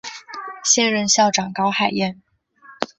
现任校长高海燕。